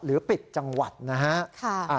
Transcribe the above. หรือปิดจังหวัดนะฮะ